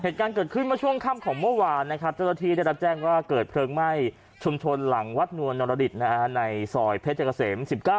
ซึ่งคำของเมื่อวานนะครับเจ้าตัวที่ได้รับแจ้งว่าเกิดเพลิงไหม้ชุมชนหลังวัดนวรรณรดิตในสอยเพชรเกษม๑๙